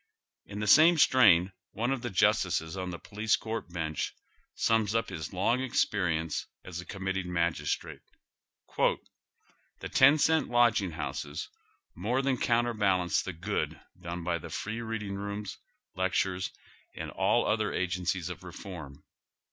In the same strain one of the jus tices on the police court i>encli sums up his long experi ence as a committing magistrate :" The ten eent lodging houses more than counterbalance the good done by the free reading room, lectures, and all other agencies of ] e form.